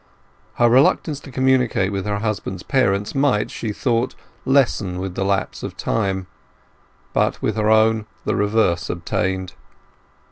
Her reluctance to communicate with her husband's parents might, she thought, lessen with the lapse of time; but with her own the reverse obtained.